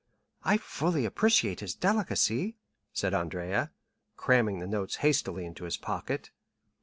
"I fully appreciate his delicacy," said Andrea, cramming the notes hastily into his pocket.